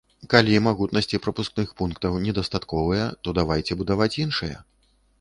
Калі магутнасці прапускных пунктаў недастатковыя, то давайце будаваць іншыя.